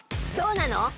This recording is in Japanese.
どうなの？